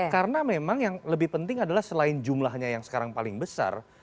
karena memang yang lebih penting adalah selain jumlahnya yang sekarang paling besar